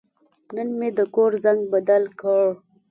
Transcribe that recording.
نن مې د کور زنګ بدل کړ.